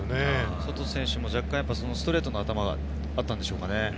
ソト選手もストレートの頭があったんでしょうかね。